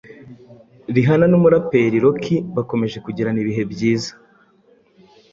Rihanna n’umuraperi Rocky bakomeje kugirana ibihe byiza